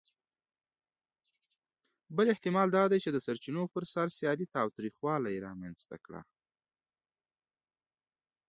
بل احتمال دا دی، چې د سرچینو پر سر سیالي تاوتریخوالي رامنځ ته کړه.